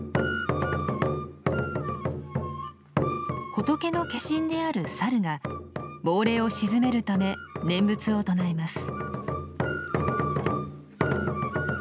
仏の化身である猿が亡霊を鎮めるため念仏を唱えます。